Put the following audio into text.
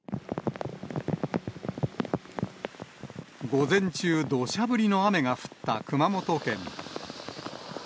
午前中、どしゃ降りの雨が降った熊本県。